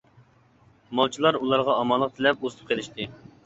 مالچىلار ئۇلارغا ئامانلىق تىلەپ ئۇزىتىپ قېلىشتى.